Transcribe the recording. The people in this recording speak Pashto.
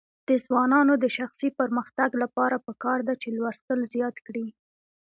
د ځوانانو د شخصي پرمختګ لپاره پکار ده چې لوستل زیات کړي.